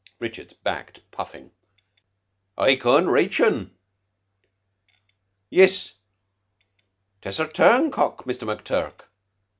Richards backed puffing. "I can't rache un. Yiss, 'tess a turncock, Muster McTurk.